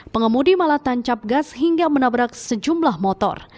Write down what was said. pengemudi malah tancap gas hingga menabrak sejumlah motor